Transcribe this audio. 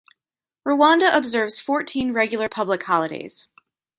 Rwanda observes fourteen regular public holidays.